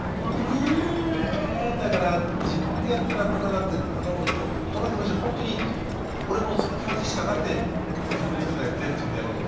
これねだから自分でやったらタダだってこの気持ちほんとに俺もその気持ちしかなくて曲作ったりも全部自分でやろうと思って。